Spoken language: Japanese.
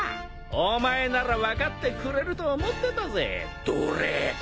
お前なら分かってくれると思ってたぜドレーク。